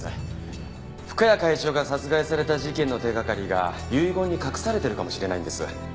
深谷会長が殺害された事件の手掛かりが遺言に隠されてるかもしれないんです。